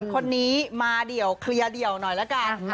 คนนี้มาเดี่ยวเคลียร์เดี่ยวหน่อยละกัน